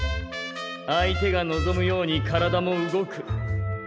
相手が望むように体も動く。